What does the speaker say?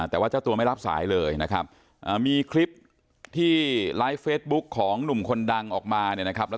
แต่ว่าเจ้าตัวไม่รับสายเลยนะครับมีคลิปที่ไลฟ์เฟซบุ๊คของหนุ่มคนดังออกมาเนี่ยนะครับ